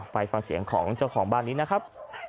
ไปฟังเสียงของเจ้าของบ้านนี้นะครับ